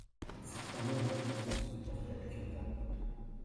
Certains membres du réseau sont déportés à Buchenwald.